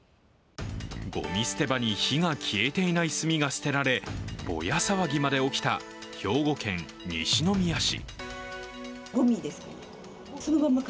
ごみ捨て場に火が消えていない炭が捨てられボヤ騒ぎが起きた兵庫県西宮市。